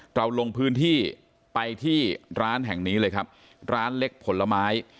เราลงพื้นที่ไปที่ร้านแห่งนี้เลยครับร้านเล็กผลไม้